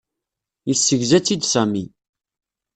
Yessegza-tt-id Sami.